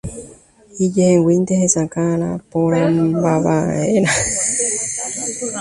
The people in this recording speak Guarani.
Ijeheguínte hesakã porãmbava'erã.